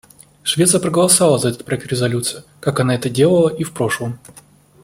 Швеция проголосовала за этот проект резолюции, как она это делала и в прошлом.